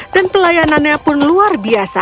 dan pelayanrannya luar biasa